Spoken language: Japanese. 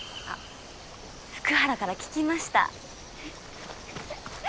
あっ福原から聞きました。